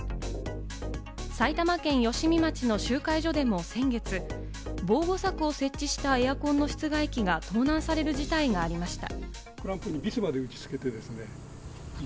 埼玉県吉見町の集会所でも先月、防護柵を設置したエアコンの室外機が盗難される事態がありました。